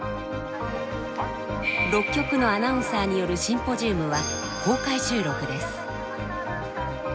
６局のアナウンサーによるシンポジウムは公開収録です。